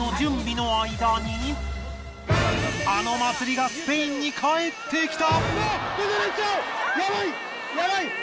あの祭りがスペインに帰ってきた！